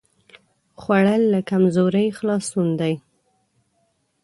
خوړل له کمزورۍ خلاصون دی